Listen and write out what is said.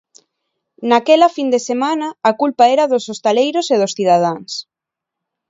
Naquela fin de semana, a culpa era dos hostaleiros e dos cidadáns.